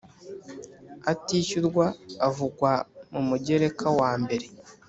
atishyurwa avugwa mu Mugereka wa mbere